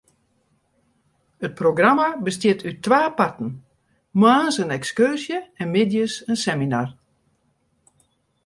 It programma bestiet út twa parten: moarns in ekskurzje en middeis in seminar.